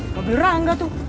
mobil orang gak tuh